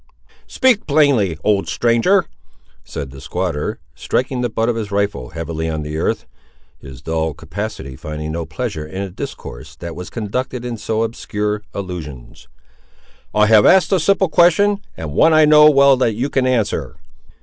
"Speak plainly, old stranger," said the squatter, striking the butt of his rifle heavily on the earth, his dull capacity finding no pleasure in a discourse that was conducted in so obscure allusions; "I have asked a simple question, and one I know well that you can answer."